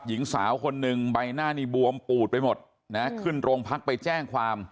หญิงสาวคนหนึ่งใบหน้านี่บวมปูดไปหมดนะขึ้นโรงพักไปแจ้งความ